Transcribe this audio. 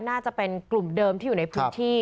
น่าจะเป็นกลุ่มเดิมที่อยู่ในพื้นที่